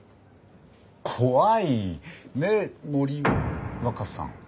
怖いねえ森若さん。